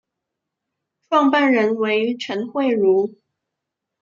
创办人为陈惠如。